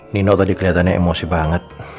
nino tadi kelihatannya emosi banget